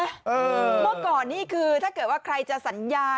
เมื่อก่อนนี่คือถ้าเกิดว่าใครจะสัญญา